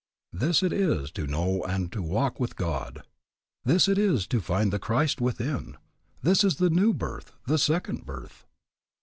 This it is to know and to walk with God. This it is to find the Christ within. This is the new birth, the second birth.